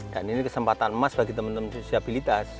dan ini kesempatan emas bagi teman teman disabilitas